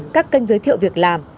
các kênh giới thiệu việc làm